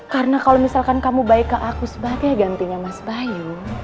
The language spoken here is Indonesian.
karena kalau misalkan kamu baik ke aku sebagai gantinya mas bayu